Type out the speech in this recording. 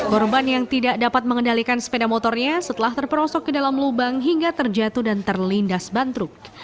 korban yang tidak dapat mengendalikan sepeda motornya setelah terperosok ke dalam lubang hingga terjatuh dan terlindas bantruk